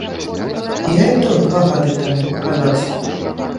Я і то два гады там не паказаўся.